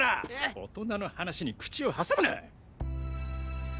大人の話に口をはさむな！